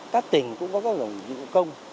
các tỉnh cũng có cổng dịch vụ công